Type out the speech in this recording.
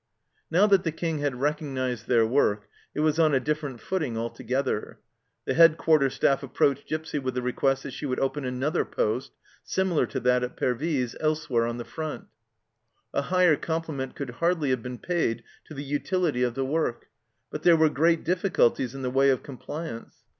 Now that the King had recognized their work it was on a different footing altogether. The Head quarter Staff approached Gipsy with a request that she would open another poste, similar to that at Pervyse, elsewhere on the front. A higher compli ment could hardly have been paid to the utility of the work, but there were great difficulties in the way of compliance.